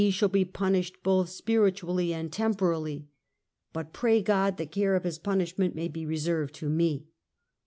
he shall be punished both spiritually and temporally, but pray God the care of his punishment may be reserved to me